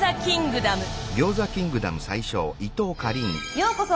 ようこそ！